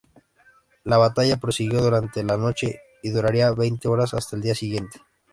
La batalla prosiguió durante la noche, y duraría veinte horas hasta el día siguiente.